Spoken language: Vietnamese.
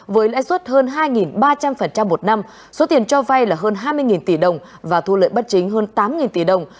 với lãi suất hơn hai ba trăm linh một năm số tiền cho vay là hơn hai mươi tỷ đồng và thu lợi bất chính hơn tám tỷ đồng